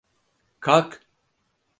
Kalk.